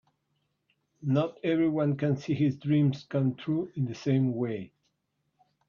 Not everyone can see his dreams come true in the same way.